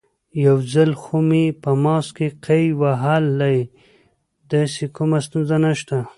یو ځل خو مې په ماسک کې قی هم وهلی، داسې کومه ستونزه نشته.